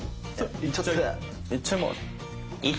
いっちゃいます。